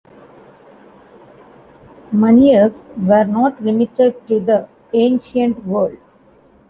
Moneyers were not limited to the ancient world.